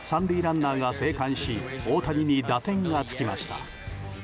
３塁ランナーが生還し大谷に打点が付きました。